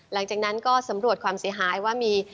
หลังจากนั้นก็สำรวจความเสียหายว่ามี